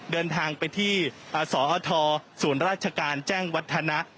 เดินทางไปที่สอทศูนย์ราชการแจ้งวัฒนะ